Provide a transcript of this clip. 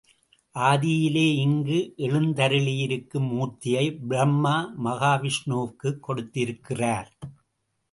ஆதியிலே, இங்கு எழுந்தருளியிருக்கும் மூர்த்தியை பிரம்மா மகாவிஷ்ணுவுக்குக் கொடுத்திருக்கிறார்.